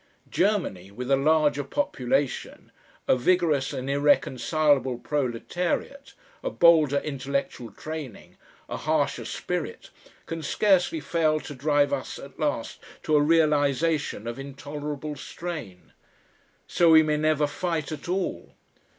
Germany, with a larger population, a vigorous and irreconcilable proletariat, a bolder intellectual training, a harsher spirit, can scarcely fail to drive us at last to a realisation of intolerable strain. So we may never fight at all.